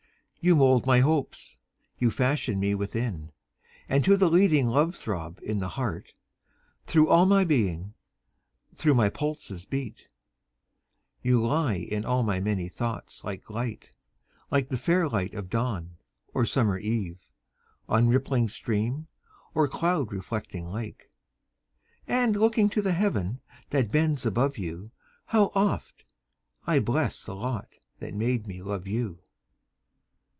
commune } 1807. Now first published from an MS. 26 You mould my Hopes you fashion me within: And to the leading love throb in the heart, Through all my being, through my pulses beat; You lie in all my many thoughts like Light, Like the fair light of Dawn, or summer Eve, On rippling stream, or cloud reflecting lake; And looking to the Heaven that bends above you, How oft! I bless the lot that made me love you.